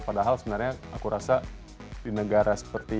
padahal sebenarnya aku rasa di negara seperti